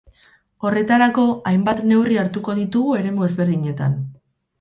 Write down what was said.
Horretarako, hainbat neurri hartuko ditugu eremu ezberdinetan.